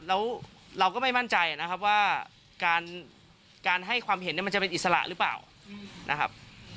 แล้วเราก็ไม่มั่นใจนะครับว่าการให้ความเห็นเนี่ยมันจะเป็นอิสระหรือเปล่านะครับ